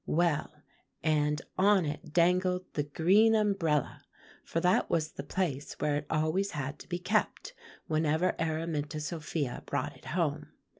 Well, and on it dangled the green umbrella, for that was the place where it always had to be kept whenever Araminta Sophia brought it home.